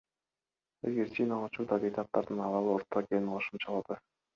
Айгерчинова учурда бейтаптардын абалы орто экенин кошумчалады.